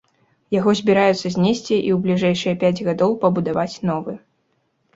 Яго збіраюцца знесці і ў бліжэйшыя пяць гадоў пабудаваць новы.